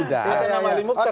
lihat nama ali mukhtar